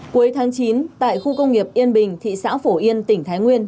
cuối tháng chín tại khu công nghiệp yên bình thị xã phổ yên tỉnh thái nguyên